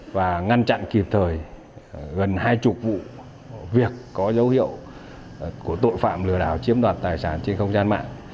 và ngăn chặn kịp thời gần hai mươi vụ việc có dấu hiệu của tội phạm lừa đảo chiếm đoạt tài sản trên không gian mạng